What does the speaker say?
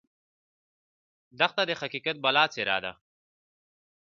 دښته د حقیقت بله څېره ده.